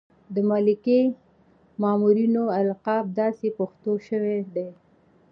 د ملکي مامورینو القاب داسې پښتو شوي دي.